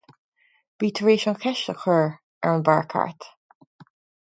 Bhí tar éis an cheist a chur ar an bhfear ceart.